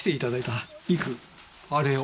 郁あれを。